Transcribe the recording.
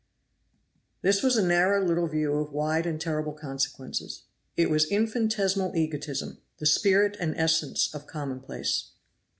This was a narrow little view of wide and terrible consequences; it was infinitesimal egotism the spirit and essence of commonplace.